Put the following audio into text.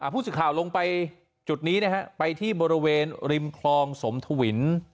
ผู้สื่อข่าวลงไปจุดนี้นะฮะไปที่บริเวณริมคลองสมทวิน